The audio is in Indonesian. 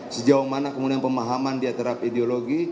sejauh mana kemudian pemahaman dia terhadap ideologi